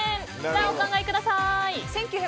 お考えください。